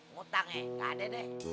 ngutangnya gak ada deh